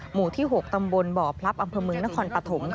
หมู่ที่๖ตำบลบ่อพลับอำเภอเมืองนครปฐม